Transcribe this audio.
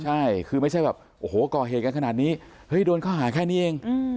ใช่คือไม่ใช่แบบโอ้โหก่อเหตุกันขนาดนี้เฮ้ยโดนข้อหาแค่นี้เอง